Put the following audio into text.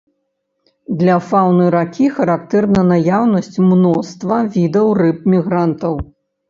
Для фаўны ракі характэрна наяўнасць мноства відаў рыб-мігрантаў.